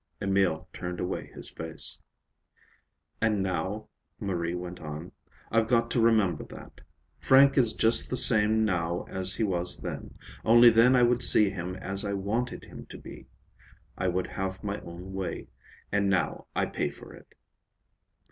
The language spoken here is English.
Emil turned away his face. "And now," Marie went on, "I've got to remember that. Frank is just the same now as he was then, only then I would see him as I wanted him to be. I would have my own way. And now I pay for it."